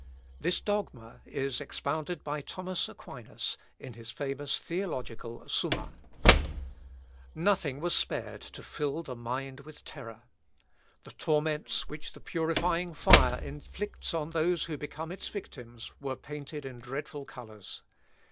This dogma is expounded by Thomas Aquinas in his famous theological Summa. Nothing was spared to fill the mind with terror. The torments which the purifying fire inflicts on those who become its victims were painted in dreadful colours.